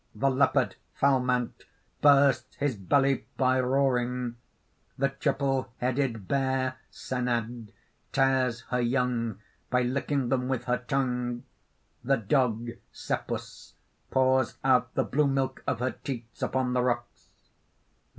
The leopard Phalmant bursts his belly by roaring; the triple headed bear Senad tears her young by licking them with her tongue; the dog Cepus pours out the blue milk of her teats upon the rocks.